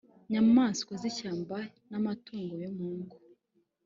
nyamaswa z'ishyamba n'amatungo yo mu ngo,